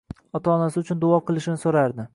ota-onasi uchun duo qilishini so'rardi.